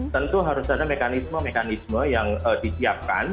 tentu harus ada mekanisme mekanisme yang disiapkan